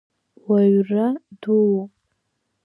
Уаҩра дууп!